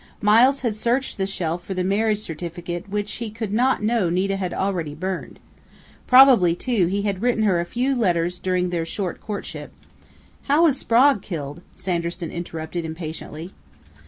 Miles had searched the shelf for the marriage certificate which he could not know Nita had already burned. Probably, too, he had written her a few letters during their short courtship " "How was Sprague killed?" Sanderson interrupted impatiently.